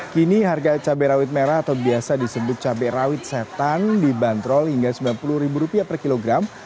kini harga cabai rawit merah atau biasa disebut cabai rawit setan dibanderol hingga rp sembilan puluh per kilogram